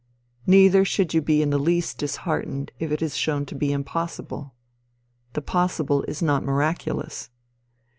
Neither should you be in the least disheartened if it is shown to be impossible. The possible is not miraculous.